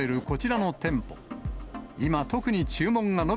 こちらの店舗。